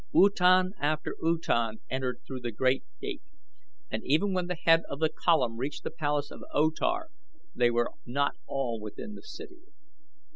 Utan after utan entered through the great gate, and even when the head of the column reached the palace of O Tar they were not all within the city.